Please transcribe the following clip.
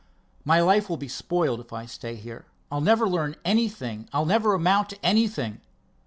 "My life will be spoiled if I stay here. I'll never learn anything, I'll never amount to anything.